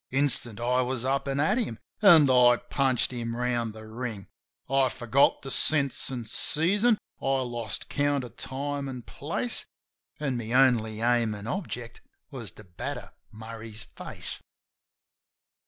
Instant I was up an' at him, an' I punched him round the ring. I forgot the scents an' season; I lost count of time an' place; An' my only aim an' object was to batter Murray's face.